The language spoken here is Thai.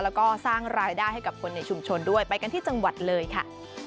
แล้วก็สร้างรายได้ให้กับคนในชุมชนด้วยไปกันที่จังหวัดเลยค่ะ